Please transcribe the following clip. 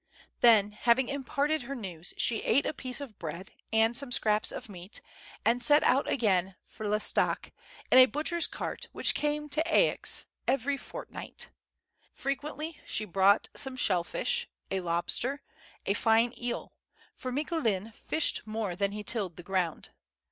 Then, having imparted her news, she ate a piece of bread and some scraps of meat, and set out again for L'Estaque in a butcher's cart which came to Aix every fortnight. Frequeutly she brought some shell fish, a lobster, a fine eel, for Micoulin fished more than he tilled the ground.